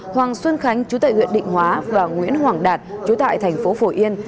hoàng xuân khánh chú tại huyện định hóa và nguyễn hoàng đạt chú tại thành phố phổ yên